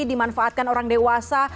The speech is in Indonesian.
dimanfaatkan orang dewasa